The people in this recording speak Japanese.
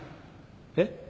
えっ？